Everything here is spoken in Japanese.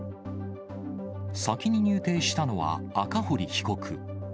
先に入廷したのは赤堀被告。